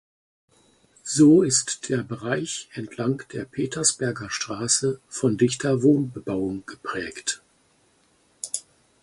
So ist der Bereich entlang der Petersberger Straße von dichter Wohnbebauung geprägt.